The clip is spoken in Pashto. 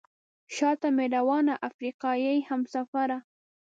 شاته مې روانه افریقایي همسفره.